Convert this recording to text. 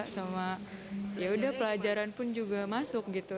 sama ya udah pelajaran pun juga masuk gitu